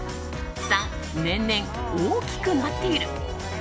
３、年々、大きくなっている。